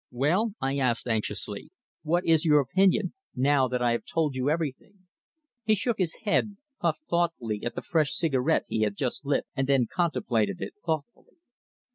"Well?" I asked anxiously, "what is your opinion, now that I have told you everything?" He shook his head, puffed thoughtfully at the fresh cigarette he had just lit, and then contemplated it thoughtfully.